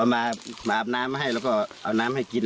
มาอาบน้ำให้แล้วก็เอาน้ำให้กิน